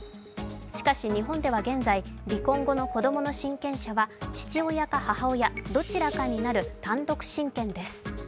しかし日本では現在、離婚後の子供の親権者は父親か母親、どちらかになる単独親権です。